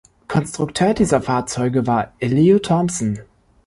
Konstrukteur dieser Fahrzeuge war Elihu Thomson.